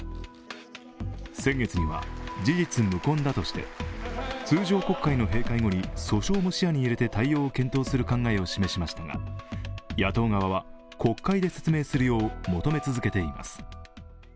先月には事実無根だとして通常国会の閉会後に訴訟も視野に入れて対応を検討する考えを示しましたが野党側は国会で説明するよう求め続けています。